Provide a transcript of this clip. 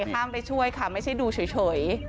ห้ามไปช่วยค่ะไม่ใช่ดูเฉย